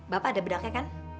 bapak ada bedaknya kan